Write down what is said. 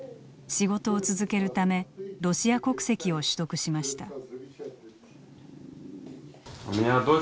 仕事を続けるためロシア国籍を取得しました。